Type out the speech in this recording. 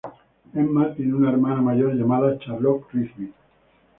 Emma tiene una hermana mayor llamada, Charlotte Rigby.